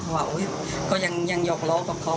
ว่าเขายังหยอกร้องกับเขา